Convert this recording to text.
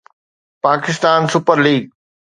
Pakistan super league